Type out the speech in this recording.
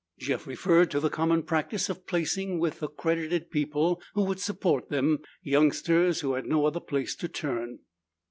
Jeff referred to the common practice of placing with accredited people who would support them, youngsters who had no other place to turn.